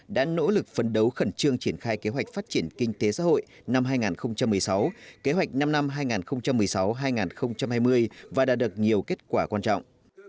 đã nỗ lực phấn đấu khẩn trương triển khai kế hoạch phát triển kinh tế xã hội năm hai nghìn một mươi sáu kế hoạch năm năm hai nghìn một mươi sáu hai nghìn hai mươi và đã được nhiều kết quả quan trọng